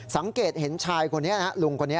สังเกตเห็นชายคนนี้นะลุงคนนี้